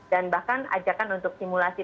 dan bahkan ajakan untuk simulasi